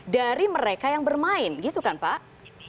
dari mereka yang bermain gitu kan pak